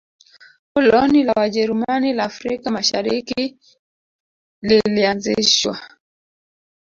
koloni la wajerumani la afrika mashariki lilianzishwa